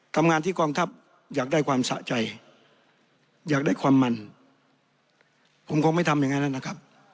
ทำงานที่กองทัพอยากได้ความสะใจอยากได้ความมันผมคงไม่ทำอย่างนั้นแล้วนะครับ